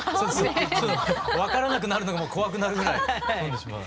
分からなくなるのが怖くなるぐらい飲んでしまう？